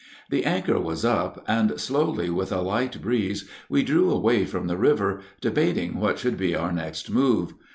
The anchor was up, and slowly with a light breeze we drew away from the river, debating what should be our next move.